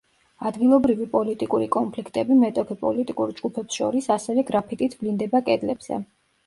ადგილობრივი პოლიტიკური კონფლიქტები მეტოქე პოლიტიკურ ჯგუფებს შორის, ასევე გრაფიტით ვლინდება კედლებზე.